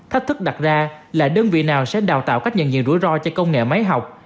thách thức đặt ra là đơn vị nào sẽ đào tạo cách nhận diện rủi ro cho công nghệ máy học